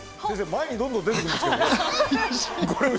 前にどんどん出てきますが。